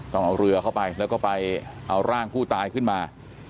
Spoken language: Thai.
ต้องเอาเรือเข้าไปแล้วก็ไปเอาร่างผู้ตายขึ้นมา